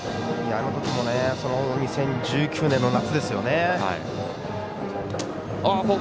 あの時２０１９年の夏ですよね。